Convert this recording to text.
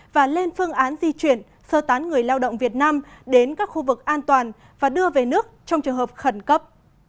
và lên phương án di chuyển sơ tán người lao động việt nam đến các khu vực an toàn và đưa về nước trong trường hợp khẩn cấp